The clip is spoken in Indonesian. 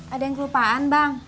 ada yang kelupaan bang